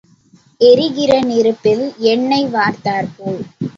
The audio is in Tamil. எரிகிற நெருப்பில் எண்ணெய் வார்த்தாற் போல்.